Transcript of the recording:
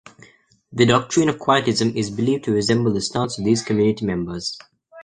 The doctrine of Quietism is believed to resemble the stance of these community members.